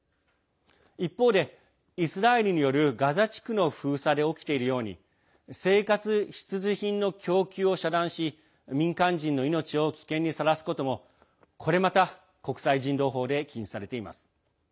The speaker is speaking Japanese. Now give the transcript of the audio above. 一方でイスラエルによるガザ地区の封鎖で起きているように生活必需品の供給を遮断し民間人の命を危険にさらすこともこれまた、国際人道法で禁止されています。